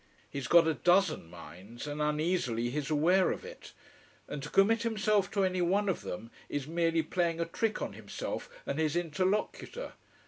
He's got a dozen minds, and uneasily he's aware of it, and to commit himself to anyone of them is merely playing a trick on himself and his interlocutor.